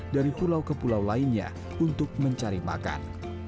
dari pulau ke pulau lainnya untuk mencari makan